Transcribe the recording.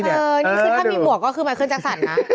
นี่คือถ้ามีหัวก็ขึ้นมาขึ้นจักรสัตว์นะ